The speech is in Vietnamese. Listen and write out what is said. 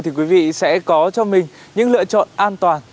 thì quý vị sẽ có cho mình những lựa chọn an toàn